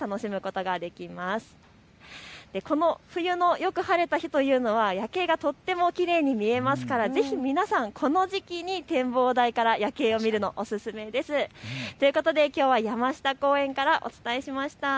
この冬のよく晴れた日というのは夜景がとってもきれいに見えますから、ぜひ皆さんこの時期に展望台から夜景を見るの、おすすめです。ということで、きょうは山下公園からお伝えしました。